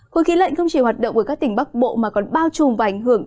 hồi khi lệnh không chỉ hoạt động ở các tỉnh bắc bộ mà còn bao trùm và ảnh hưởng